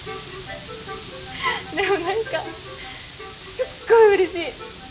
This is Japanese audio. でも何かすっごいうれしい。